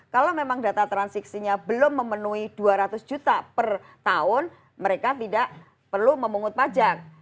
kalau memang data transaksinya belum memenuhi dua ratus juta per tahun mereka tidak perlu memungut pajak